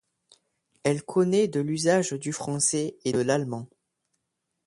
Elle connaît de l'usage du français et de l'allemand.